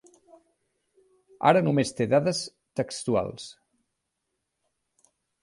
Ara només te dades textuals.